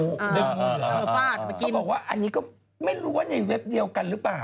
ดึงงูเหลือเขาบอกว่าอันนี้ก็ไม่รู้ว่าในเว็บเดียวกันหรือเปล่า